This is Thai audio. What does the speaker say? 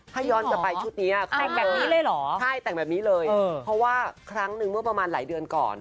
ถ้าย้อนจะไปชุดนี้ค่ะคือใช่แต่งแบบนี้เลยเพราะว่าครั้งนึงเมื่อประมาณหลายเดือนก่อน